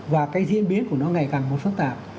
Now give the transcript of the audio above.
và cái diễn biến của nó ngày càng một phức tạp